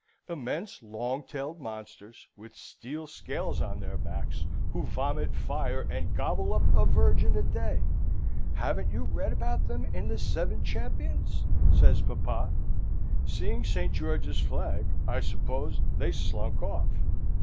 "Immense, long tailed monsters, with steel scales on their backs, who vomit fire, and gobble up a virgin a day. Haven't you read about them in The Seven Champions?" says papa. "Seeing St. George's flag, I suppose, they slunk off."